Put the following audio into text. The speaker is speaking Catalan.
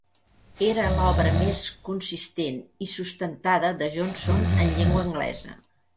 Era l'obra més consistent i sustentada de Johnson en llengua anglesa.